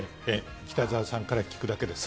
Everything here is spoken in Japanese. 北澤さんから聞くだけです。